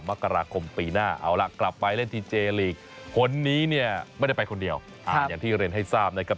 มกราคมปีหน้าเอาล่ะกลับไปเล่นที่เจลีกคนนี้เนี่ยไม่ได้ไปคนเดียวอย่างที่เรียนให้ทราบนะครับ